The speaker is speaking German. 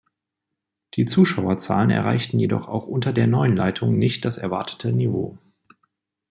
Die Zuschauerzahlen erreichten jedoch auch unter der neuen Leitung nicht das erwartete Niveau.